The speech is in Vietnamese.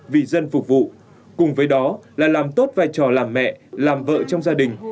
vì dân phục vụ cùng với đó là làm tốt vai trò làm mẹ làm vợ trong gia đình